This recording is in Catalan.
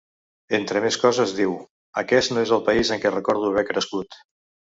Entre més coses, diu: Aquest no és el país en què recordo haver crescut.